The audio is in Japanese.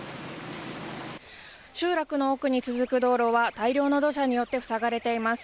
集落の奥に続く道路は大量の土砂によって塞がれています。